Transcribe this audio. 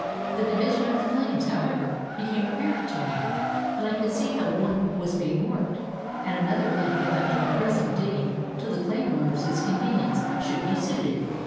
The division of the claims, however, became apparent to me, and I could see how one was being worked, and another left without any present digging till the claim owner's convenience should be suited.